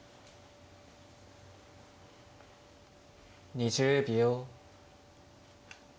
２０秒。